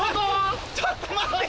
ちょっと待って！